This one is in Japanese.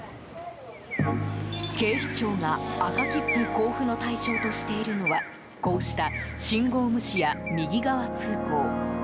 警視庁が赤切符交付の対象としているのはこうした、信号無視や右側通行。